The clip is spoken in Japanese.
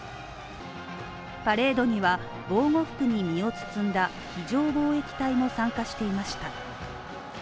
パレードには防護服に身を包んだ非常防疫隊も参加していました。